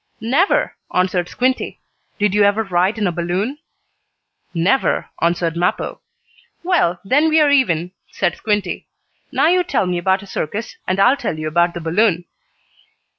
"Never," answered Squinty. "Did you ever ride in a balloon?" "Never," answered Mappo. "Well, then we are even," said Squinty. "Now you tell me about a circus, and I'll tell you about the balloon."